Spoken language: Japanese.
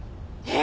え！